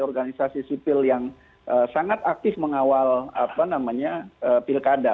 organisasi sipil yang sangat aktif mengawal pilkada